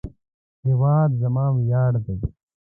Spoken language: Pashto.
هیواد زما ویاړ دی